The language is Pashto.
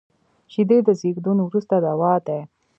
شیدې د زیږون وروسته دوا دي